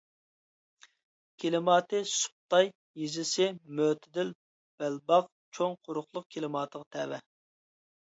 كىلىماتى سۇپتاي يېزىسى مۆتىدىل بەلباغ چوڭ قۇرۇقلۇق كىلىماتىغا تەۋە.